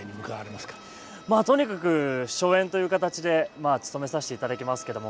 まあとにかく初演という形でつとめさせていただきますけども。